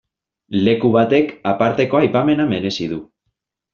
Leku batek aparteko aipamena merezi du.